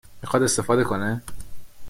می خواد استفاده کنه ؟